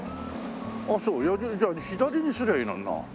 矢印じゃあ左にすりゃいいのにな。